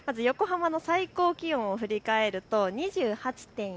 横浜の最高気温を振り返ると２８．４度。